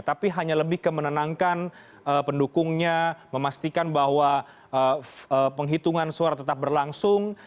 tapi hanya lebih ke menenangkan pendukungnya memastikan bahwa penghitungan suara tetap berlangsung